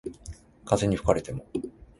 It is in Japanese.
風に吹かれても